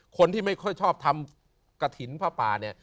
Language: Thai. คนที่ไม่ค่อยชอบทำกระถิ่นผ้าป่าเนี่ย